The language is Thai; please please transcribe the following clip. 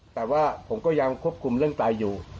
แต่ว่าผมก็ยังควบคุมเรื่องตายอยู่